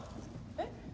えっ？